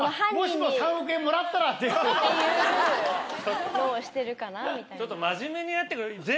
「もしも３億円もらったら」。っていうのをしてるかな。